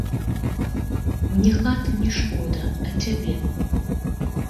Мне хаты не шкода, а цябе.